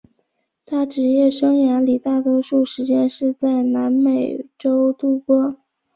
他职业生涯里大多数时间是在南美洲度过。